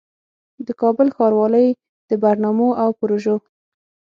د کابل ښاروالۍ د برنامو او پروژو